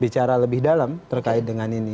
bicara lebih dalam terkait dengan ini